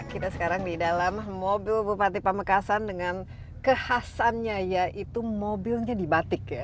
kita sekarang di dalam mobil bupati pamekasan dengan kekhasannya yaitu mobilnya dibatik ya